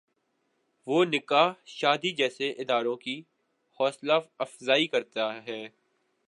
وہ نکاح شادی جیسے اداروں کی حوصلہ افزائی کرتا ہے۔